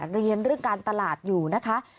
เรียนเรื่องการตลาดอยู่นะคะ